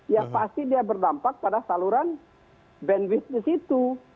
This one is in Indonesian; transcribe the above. ya pasti dia berdampak pada saluran bandwidth di situ